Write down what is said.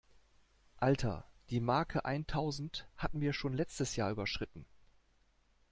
Alter, die Marke eintausend hatten wir schon letztes Jahr überschritten!